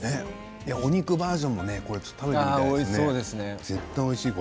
お肉バージョンも食べてみたいですね。